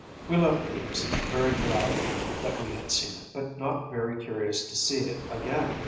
We left Thebes, very glad that we had seen it, but not very curious to see it again.